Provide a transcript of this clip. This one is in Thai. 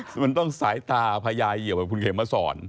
คือมันต้องสายตาพญาเหยียบกับคุณเขมมาสอน